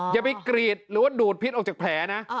อย่าไปกรีดหรือว่าดูดพิษออกจากแผลนะ